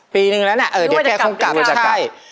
ปีหนึ่งแล้วน่ะเดี๋ยวแกคงกลับใช่หรือว่าจะกลับ